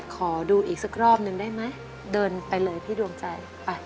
ขอดูอีกสักรอบหนึ่งได้ไหมเดินไปเลยพี่ดวงใจไป